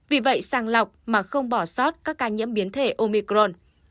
vì vậy sàng lọc mà không bỏ sót các ca nhiễm biến thể omicron